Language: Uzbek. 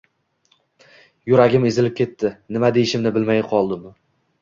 Yuragim ezilib ketdi, nima deyishimni bilmay qoldim